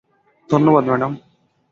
ধন্যবাদ, ম্যাডাম।